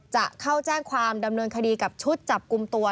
จะเข้าแจ้งความดำเนินคดีกับชุดจับกลุ่มตัว